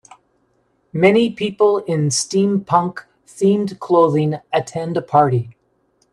Many people in steampunk themed clothing attend a party.